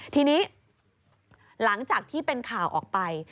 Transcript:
ทีนี้หลังจากที่เป็นข่าวออกไป